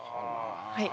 はい。